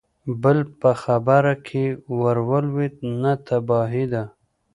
بل په خبره کې ور ولوېد: نه، تباهي ده!